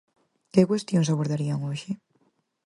Que cuestións abordarían hoxe?